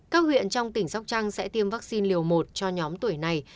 các huyện trong tỉnh sóc trăng sẽ tiêm vaccine liều một cho nhóm tuổi này